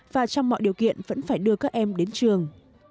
và trong mọi điều kiện vẫn phải đưa các em đến trường